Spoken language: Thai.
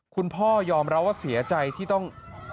คุณพ่อยอมรับว่าเสียใจที่ต้อง